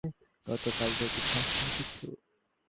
গতকাল থেকে খাসনি কিছু?